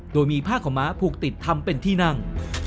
โดยมีผ้าขาวม้าผูกติดทำเป็นที่นั่ง